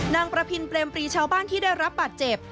นางประพินเปรมปรีชาวบ้านที่ได้รับบาดเจ็บ